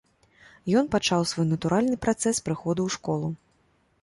Ён пачаў свой натуральны працэс прыходу ў школу.